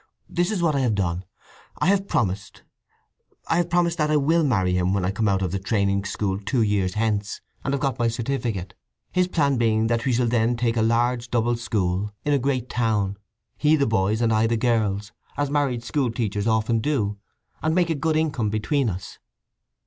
"This is what I have done: I have promised—I have promised—that I will marry him when I come out of the training school two years hence, and have got my certificate; his plan being that we shall then take a large double school in a great town—he the boys' and I the girls'—as married school teachers often do, and make a good income between us."